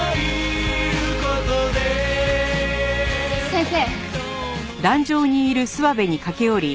先生。